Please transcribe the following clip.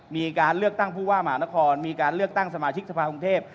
มีการเลือกตั้งผู้ว่ามหานครมีการเลือกตั้งสมาชิกสภากรุงเทพ